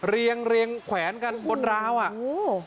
เรียงเรียงแขวนกันบนราวอ่ะ